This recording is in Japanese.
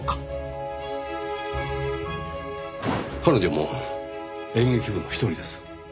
彼女も演劇部の一人です。